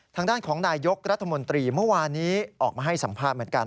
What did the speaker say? ทางด้านของนายยกรัฐมนตรีเมื่อวานนี้ออกมาให้สัมภาษณ์เหมือนกัน